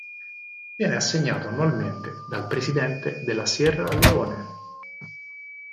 Viene assegnato annualmente dal presidente della Sierra Leone.